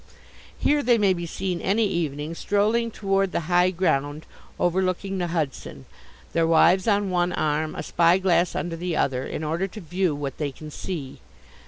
Here they may be seen any evening strolling toward the high ground overlooking the Hudson, their wives on one arm, a spyglass under the other, in order to view what they can see.